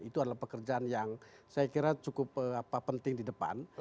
itu adalah pekerjaan yang saya kira cukup penting di depan